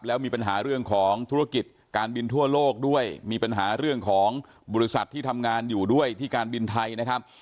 แล้วมีปัญหาเรื่องของธุรกิจการบินทั่วโลกด้วยมีปัญหาเรื่องของบริษัทที่ทำงานอยู่ด้วยที่การบินไทยนะครับ